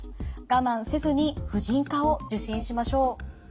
我慢せずに婦人科を受診しましょう。